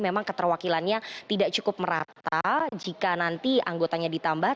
memang keterwakilannya tidak cukup merata jika nanti anggotanya ditambah